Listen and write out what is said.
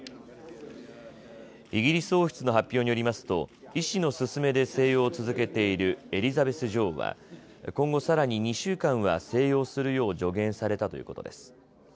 イギリス王室の発表によりますと医師の勧めで静養を続けているエリザベス女王は今後さらに２週間は静養するよう助言されたということです。